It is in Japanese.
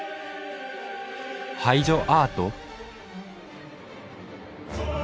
「排除アート？」